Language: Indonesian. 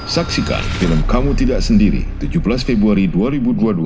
saksikan film kamu tidak sendiri tujuh belas februari dua ribu dua puluh dua